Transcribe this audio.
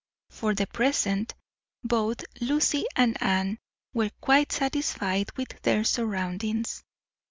For the present, both Lucy and Anne were quite satisfied with their surroundings.